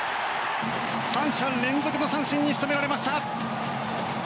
３者連続の三振に仕留められました。